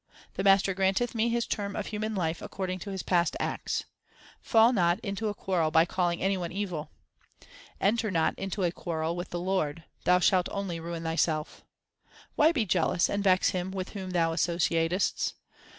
The Master granteth man his term of human life according to his past acts. Fall not into a quarrel by calling any one evil. Enter not into a quarrel with the Lord ; thou shalt only ruin thyself. Why be jealous and vex him with whom thou associatest